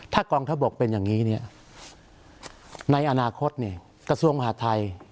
ถ้ากองทัพบกเป็นอย่างนี้เนี่ยในอนาคตกระทรวงมหาดไทย